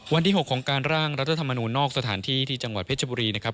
วันที่๖ของการร่างรัฐธรรมนูลนอกสถานที่ที่จังหวัดเพชรบุรีนะครับ